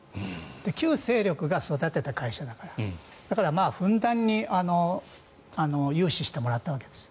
旧勢力が育てた会社だからだから、ふんだんに融資してもらったわけです。